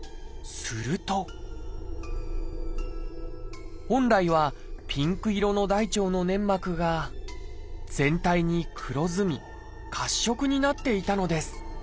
すると本来はピンク色の大腸の粘膜が全体に黒ずみ褐色になっていたのです。